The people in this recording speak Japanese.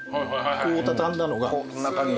こう畳んだのが。